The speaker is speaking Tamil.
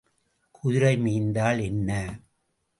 குதிரை மேய்ந்தால் என்ன?